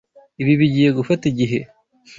Ibi bigiye gufata igihe.